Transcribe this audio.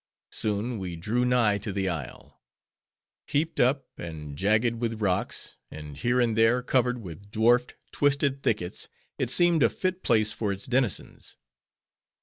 Soon, we drew nigh to the isle. Heaped up, and jagged with rocks; and, here and there, covered with dwarfed, twisted thickets, it seemed a fit place for its denizens.